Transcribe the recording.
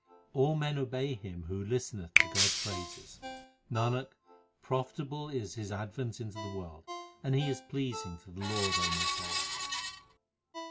All men obey him Who listeneth to God s praises. Nanak, profitable is his advent into the world, And he is pleasing to the Lord, O my soul.